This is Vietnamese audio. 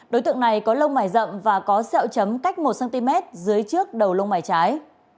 đối tượng này có lông mải rậm và có sẹo chấm cách một cm dưới trước đầu lông mày trái